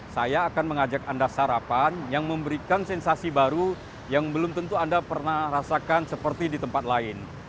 saya akan mengajak anda sarapan yang memberikan sensasi baru yang belum tentu anda pernah rasakan seperti di tempat lain